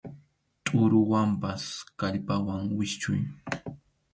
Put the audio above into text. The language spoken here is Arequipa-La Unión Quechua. Tʼuruwanpas kallpawan wischʼuy.